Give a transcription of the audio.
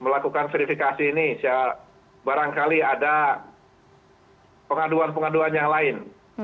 melakukan verifikasi ini barangkali ada pengaduan pengaduan yang lain